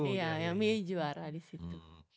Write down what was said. iya yang miyu juara disitu